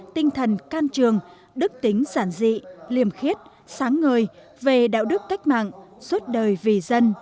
tinh thần can trường đức tính giản dị liềm khiết sáng ngời về đạo đức cách mạng suốt đời vì dân